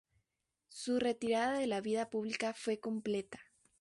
Su retirada de la vida pública fue completa.